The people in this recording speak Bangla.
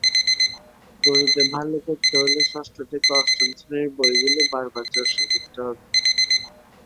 গণিতে ভালো করতে হলে ষষ্ঠ থেকে অষ্টম শ্রেণির বইগুলো বারবার চর্চা করতে হবে।